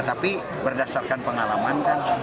tapi berdasarkan pengalaman